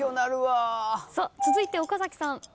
続いて岡崎さん。